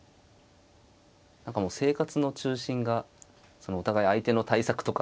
何かもう生活の中心がお互い相手の対策とか。